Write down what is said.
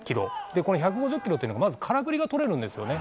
この１５０キロというのは空振りがとれるんですよね。